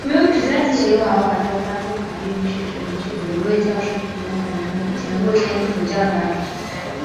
奇瓦瓦州颁布法律允许只允许一位教士服务本州的全部天主教团体。